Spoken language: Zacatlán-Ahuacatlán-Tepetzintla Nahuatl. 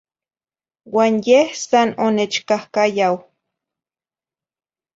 Uan yeh san onechcahcayau.